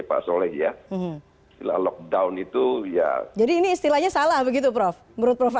pak soleh ya istilah lockdown itu ya jadi ini istilahnya salah begitu prof menurut prof